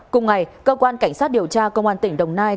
cùng ngày cơ quan cảnh sát điều tra công an tỉnh đồng nai